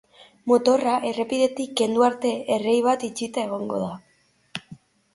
Motorra errepidetik kendu arte, errei bat itxita egon da.